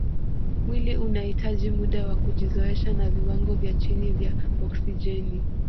Mwili unahitaji muda wa kujizoesha na viwango vya chini vya oksijeni